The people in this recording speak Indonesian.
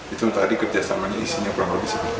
itu tadi kerjasamanya isinya kurang lebih seperti itu